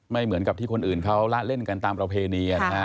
เหมือนกับที่คนอื่นเขาละเล่นกันตามประเพณีนะฮะ